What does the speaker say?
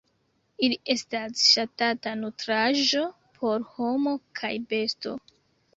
Ili estas ŝatata nutraĵo por homo kaj besto.